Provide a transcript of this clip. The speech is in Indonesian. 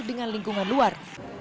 dengan lingkungan luar